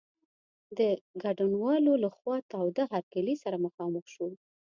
د ګډونوالو له خوا تاوده هرکلی سره مخامخ شو.